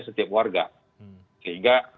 setiap warga sehingga